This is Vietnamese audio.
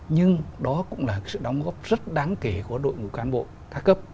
nhưng đó cũng là sự đóng góp rất đáng kể của đội ngũ cán bộ ca cấp